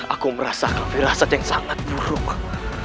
aku merasakan firasat yang sangat buruk